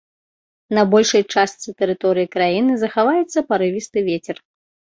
На большай частцы тэрыторыі краіны захаваецца парывісты вецер.